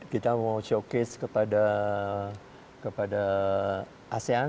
kita mau showcase kepada asean